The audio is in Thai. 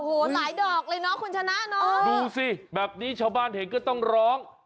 โอ้โหหลายดอกเลยเนาะคุณชนะเนอะดูสิแบบนี้ชาวบ้านเห็นก็ต้องร้อง